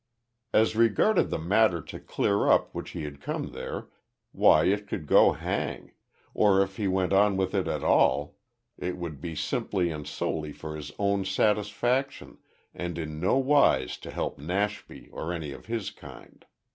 As regarded the matter to clear up which he had come there, why it could go hang, or if he went on with it at all it would be simply and solely for his own satisfaction and in nowise to help Nashby or any of his kind.